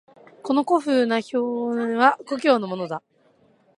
この古風な酒瓢は故郷のものだ。